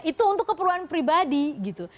itu untuk keperluan pribadi gitu